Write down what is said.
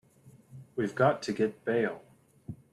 We've got to get bail.